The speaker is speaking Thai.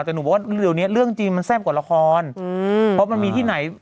แต่หนูบอกว่าเดี๋ยวนี้เรื่องจริงมันแซ่บกว่าละครเพราะมันมีที่ไหน